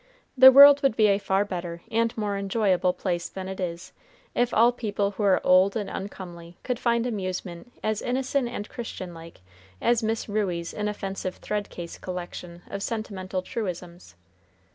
The world would be a far better and more enjoyable place than it is, if all people who are old and uncomely could find amusement as innocent and Christian like as Miss Ruey's inoffensive thread case collection of sentimental truisms.